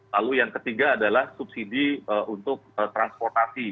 lalu yang ketiga adalah subsidi untuk transportasi